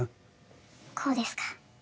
こうですか？